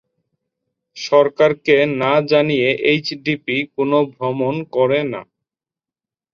সরকারকে না জানিয়ে এইচডিপি কোনো ভ্রমণ করে না।